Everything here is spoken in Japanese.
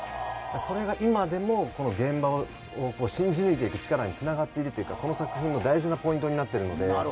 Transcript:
それが今でも現場を信じ抜いている力につながっているというか大事な作品のポイントになっているので。